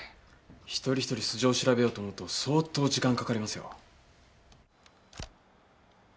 １人１人素性を調べようと思うと相当時間かかりますよ。